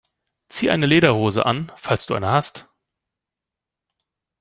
Zieh eine Lederhose an, falls du eine hast!